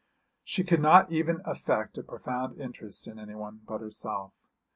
She could not even affect a profound interest in anyone but herself.